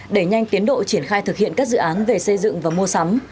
đẩy nhanh tiến độ triển khai thực hiện các dự án về xây dựng và mua sắm